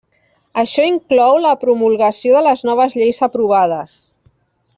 Això inclou la promulgació de les noves lleis aprovades.